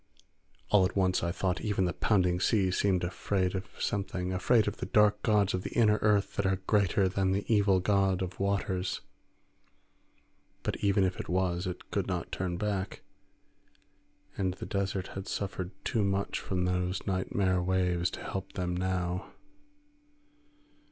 All at once I thought even the pounding sea seemed afraid of something, afraid of dark gods of the inner earth that are greater than the evil god of waters, but even if it was it could not turn back; and the desert had suffered too much from those nightmare waves to help them now.